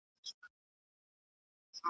په توره شپه کي د آدم له زوی انسانه ګوښه .